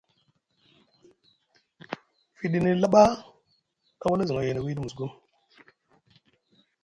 Fiɗini laɓa a wala zi ŋoyay na wiiɗi musgum.